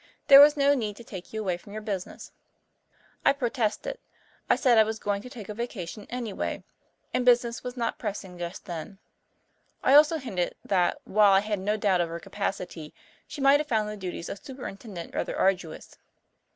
There was no need to take you away from your business." I protested. I said I was going to take a vacation anyway, and business was not pressing just then. I also hinted that, while I had no doubt of her capacity, she might have found the duties of superintendent rather arduous.